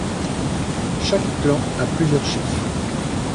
Chaque clan a plusieurs chefs.